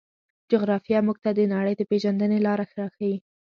جغرافیه موږ ته د نړۍ د پېژندنې لاره راښيي.